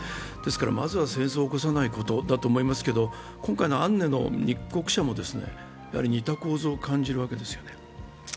ですからまずは戦争を起こさないことだと思いますけど、今回のアンネの密告者も似た構造を感じるわけですよね。